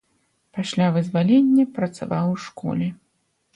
Пасля вызвалення працаваў у школе.